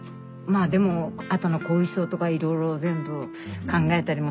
まあでもあとの後遺症とかいろいろ全部考えたりもしたですけどね。